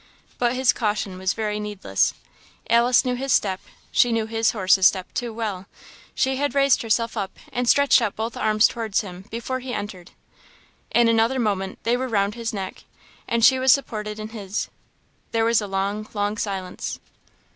But his caution was very needless. Alice knew his step, she knew his horse's step too well; she had raised herself up, and stretched out both arms towards him before he entered. In another moment they were round his neck, and she was supported in his. There was a long, long silence.